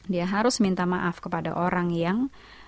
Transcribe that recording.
dia harus minta maaf kepada orang yang